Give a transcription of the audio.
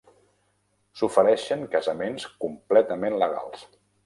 S'ofereixen casaments completament legals.